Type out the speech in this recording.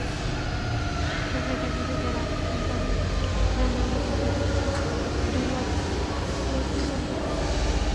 সরকারি চাকরিতে যাঁরা আসতে চান, তাঁদের সামনে আমরা বসিয়ে দিয়েছি দুর্লঙ্ঘেয় প্রতিবন্ধকতা।